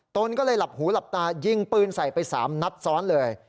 ตนก็เลยหลับหูหลับตายิงปืนใส่ไป๓นัดซ้อนเลย